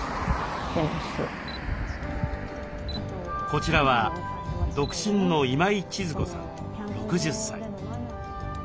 こちらは独身の今井千鶴子さん６０歳。